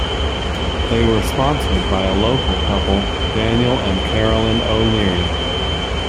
They were sponsored by a local couple, Daniel and Carolyn O'Leary.